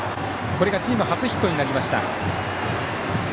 これがチーム初ヒットになりました。